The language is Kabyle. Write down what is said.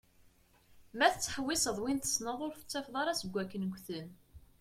Ma tettḥewwiseḍ win tesneḍ ur tettafeḍ ara seg wakken gten.